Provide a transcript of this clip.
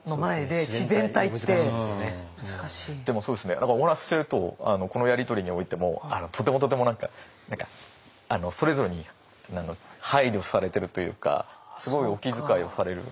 でもそうですねお話ししてるとこのやり取りにおいてもとてもとても何かそれぞれに配慮されてるというかすごいお気遣いをされる。